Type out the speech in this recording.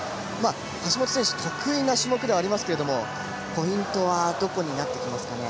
橋本選手得意な種目ではありますがポイントはどこになってきますかね？